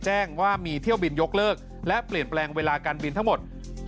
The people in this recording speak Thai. แจ้งว่ามีเที่ยวบินยกเลิกและเปลี่ยนแปลงเวลาการบินทั้งหมด